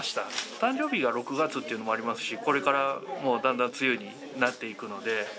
誕生日が６月っていうのもありますし、これから、もうだんだん梅雨になっていくので。